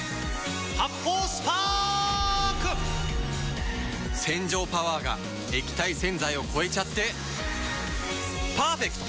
発泡スパーク‼洗浄パワーが液体洗剤を超えちゃってパーフェクト！